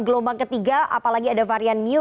gelombang ketiga apalagi ada varian new